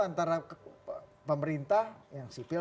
antara pemerintah yang sipil